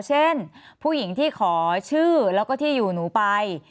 เช่นผู้หญิงที่ขอชื่อแล้วก็ที่อยู่หนูไป